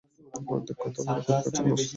অর্ধেক কথা বলা খুবই কার্যকর অস্ত্র।